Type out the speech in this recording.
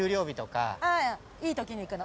いいときに行くの。